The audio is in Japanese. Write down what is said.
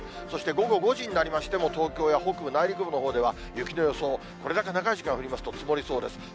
そして午後５時になりましても、東京や北部、内陸部のほうでは雪の予想、これだけ長い時間降りますと積もりそうです。